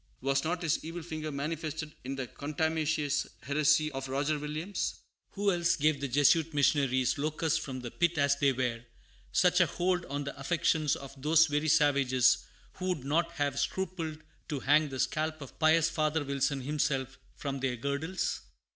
Was not his evil finger manifested in the contumacious heresy of Roger Williams? Who else gave the Jesuit missionaries locusts from the pit as they were such a hold on the affections of those very savages who would not have scrupled to hang the scalp of pious Father Wilson himself from their girdles?